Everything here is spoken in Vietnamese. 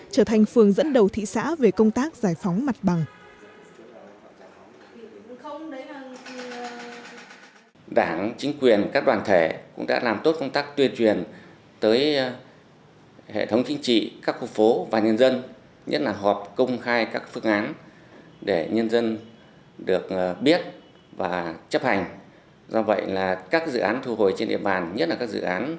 trở thành phường dẫn đầu thị xã về công tác giải phóng mặt bằng